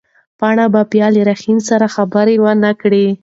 پاڼه به بیا له رحیم سره خبرې ونه کړي.